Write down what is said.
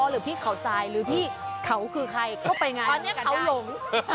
หรือพี่เขาทรายหรือพี่เขาคือใครเข้าไปไงตอนนี้เขาหลง